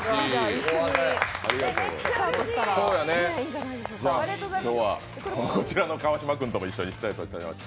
じゃ、今日はこちらの川島君とも一緒にやっていきます。